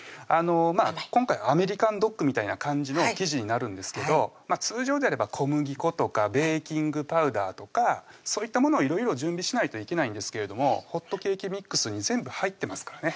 今回アメリカンドッグみたいな感じの生地になるんですけど通常であれば小麦粉とかベーキングパウダーとかそういったものをいろいろ準備しないといけないんですけどホットケーキミックスに全部入ってますからね